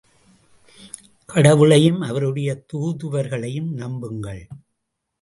கடவுளையும் அவருடைய தூதுவர்களையும் நம்புங்கள்.